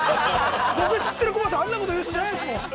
僕が知っているコバさんは、あんなことを言う人じゃない。